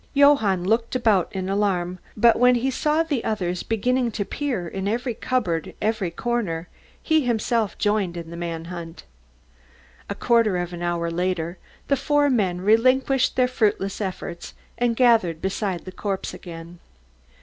Johann looked about in alarm, but when he saw the others beginning to peer into every corner and every cupboard, he himself joined in the man hunt. A quarter of an hour later, the four men relinquished their fruitless efforts and gathered beside the corpse again.